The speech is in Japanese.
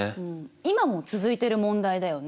今も続いてる問題だよね。